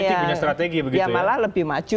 punya strategi begitu ya ya malah lebih maju